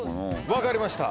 分かりました。